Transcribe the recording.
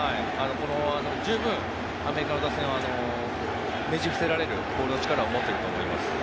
十分アメリカの打線をねじ伏せられるボールの力を持っていると思います。